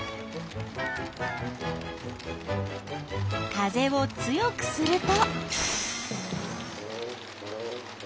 風を強くすると？